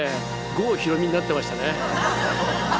郷ひろみになってましたね。